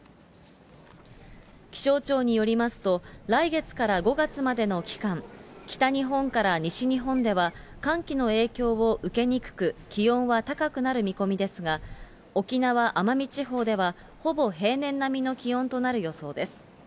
気象庁によりますと、来月から５月までの期間、北日本から西日本では、寒気の影響を受けにくく、気温は高くなる見込みですが、沖縄・奄美地方では、ほぼ平年並みの気温となる予想です。